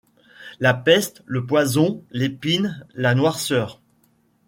La peste, le poison, l’épine, la noirceur